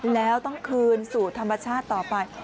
แล้วต้องคืนสู่ธรรมชาติต่อไป